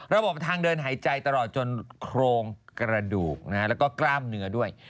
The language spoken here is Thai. ระบบทางเดินหายใจตลอดจนโครงกระดูกแล้วก็กล้ามเนื้อด้วย